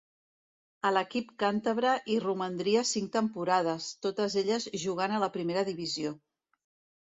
A l'equip càntabre hi romandria cinc temporades, totes elles jugant a la primera divisió.